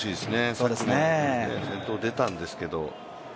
さっきも先頭出たんですけど。